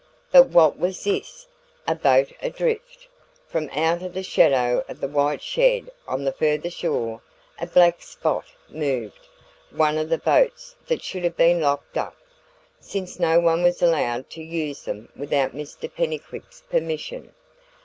But what was this? A boat adrift! From out of the shadow of the white shed on the further shore a black spot moved one of the boats that should have been locked up, since no one was allowed to use them without Mr Pennycuick's permission.